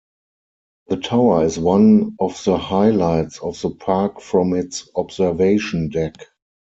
The tower is one of the highlights of the park from its observation deck.